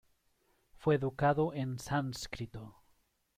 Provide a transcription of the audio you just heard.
Fue educado en sánscrito.